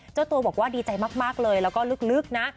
เจ้าตัวบอกว่าดีใจมากเลยแล้วก็ลึกนะ